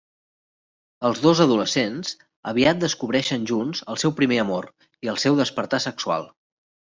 Els dos adolescents aviat descobreixen junts el seu primer amor i el seu despertar sexual.